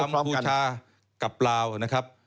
กัมพูชากับลาวนะครับ